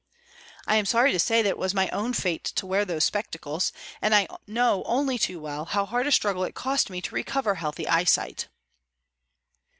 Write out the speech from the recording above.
I'm sorry to say that it was my own fate to wear those spectacles, and I know only too well how hard a struggle it cost me to recover healthy eyesight."